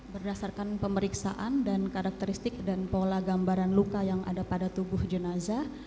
berdasarkan pemeriksaan dan karakteristik dan pola gambaran luka yang ada pada tubuh jenazah